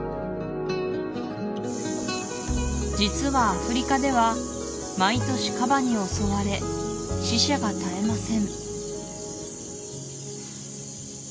実はアフリカでは毎年カバに襲われ死者が絶えません